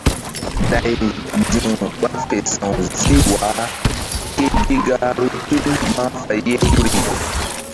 Nday ndi̧w ɓa fe sa̧w zih wa ke gi gahru tul mahfay ye guri.